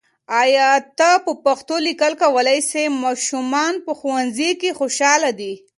آیا ته په پښتو لیکل کولای سې؟ ماشومان په ښوونځي کې خوشاله دي.